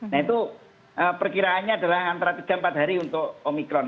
nah itu perkiraannya adalah antara tiga empat hari untuk omikron